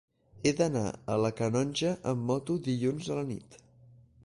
He d'anar a la Canonja amb moto dilluns a la nit.